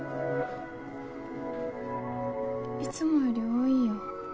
いつもより多いよ。